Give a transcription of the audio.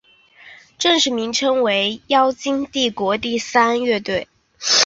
正式名称为妖精帝国第三军乐队。